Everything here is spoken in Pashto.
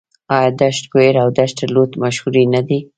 آیا دشت کویر او دشت لوت مشهورې نه دي؟